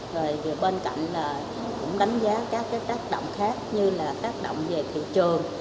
rồi bên cạnh là cũng đánh giá các cái tác động khác như là tác động về thị trường